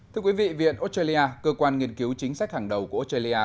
thưa quý vị viện australia cơ quan nghiên cứu chính sách hàng đầu của australia